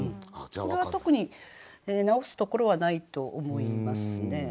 これは特に直すところはないと思いますね。